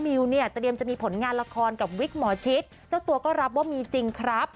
มิวเนี่ยเตรียมจะมีผลงานละครกับวิกหมอชิดเจ้าตัวก็รับว่ามีจริงครับ